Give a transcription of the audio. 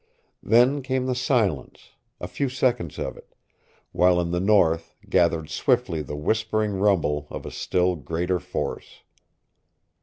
Then came the silence a few seconds of it while in the north gathered swiftly the whispering rumble of a still greater force.